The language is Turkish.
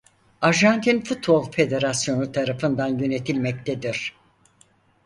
Arjantin Futbol Federasyonu tarafından yönetilmektedir.